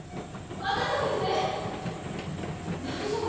若狭先生。